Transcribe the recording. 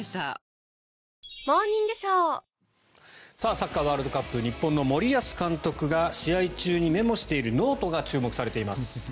サッカーワールドカップ日本の森保監督が試合中にメモしているノートが注目されています。